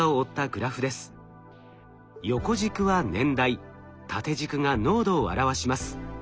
横軸は年代縦軸が濃度を表します。